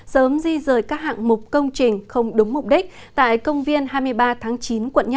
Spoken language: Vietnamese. sớm di rời các hạng mục công trình không đúng mục đích tại công viên hai mươi ba tháng chín quận năm